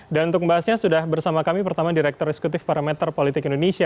dan untuk membahasnya sudah bersama kami pertama direktur eksekutif parameter politik indonesia